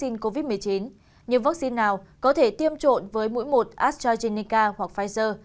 những vaccine nào có thể tiêm trộn với mũi một astrazeneca hoặc pfizer